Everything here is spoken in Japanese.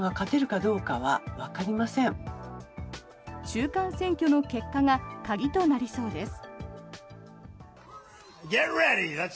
中間選挙の結果が鍵となりそうです。